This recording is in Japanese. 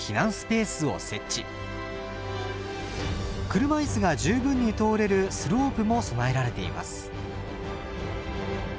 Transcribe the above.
車いすが十分に通れるスロープも備えられています。